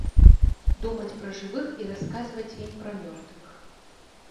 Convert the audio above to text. Думаць пра жывых і расказваць ім пра мёртвых.